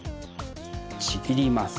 ちぎります。